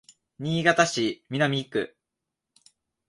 新潟市南区